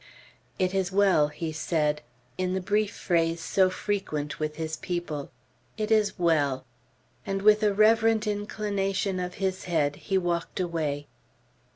"It is well," he said, in the brief phrase so frequent with his people. "It is well." And with a reverent inclination of his head, he walked away.